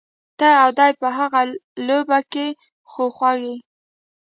ته او دی په هغه لوبه کي خو خوئ.